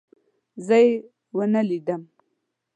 زه يې ونه لیدم.